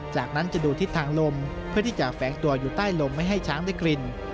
จากนั้นจะดูทิศทางลมเพื่อที่จะแฝงตัวอยู่ใต้ลมไม่ให้ช้างได้กลิ่น